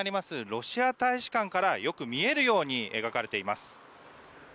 ロシア大使館からよく見えるように描かれています。